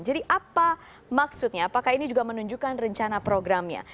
jadi apa maksudnya apakah ini juga menunjukkan rencana programnya